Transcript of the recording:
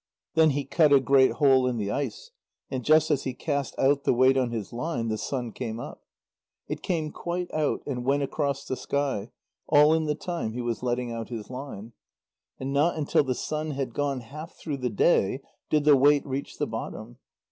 Then he cut a great hole in the ice, and just as he cast out the weight on his line, the sun came up. It came quite out, and went across the sky, all in the time he was letting out his line. And not until the sun had gone half through the day did the weight reach the bottom.